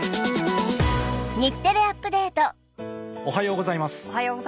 おはようございます。